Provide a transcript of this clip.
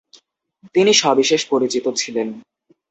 তিনি সবিশেষ পরিচিত ছিলেন ।